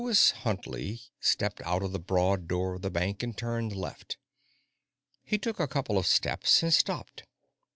Sir Lewis Huntley stepped out of the broad door of the bank and turned left. He took a couple of steps and stopped.